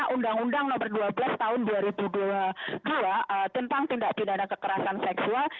karena undang undang nomor dua belas tahun dua ribu dua tentang tindak pidana kekerasan seksual